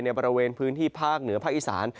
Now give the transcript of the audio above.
บริเวณพื้นที่ภาคเหนือภาคอีสาน